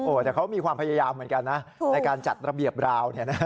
แต่เขามีความพยายามเหมือนกันนะในการจัดระเบียบราวเนี่ยนะ